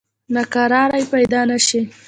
ناکراری پیدا نه شي.